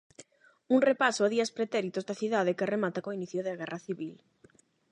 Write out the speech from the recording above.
Un repaso a días pretéritos da cidade que remata co inicio da Guerra Civil.